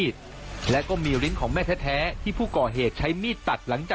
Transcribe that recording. เจ้าก็เปลี่ยนแล้วว่าการสู้กับพวกนายว่า